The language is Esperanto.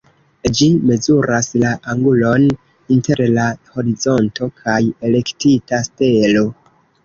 Ĝi mezuras la angulon inter la horizonto kaj elektita stelo.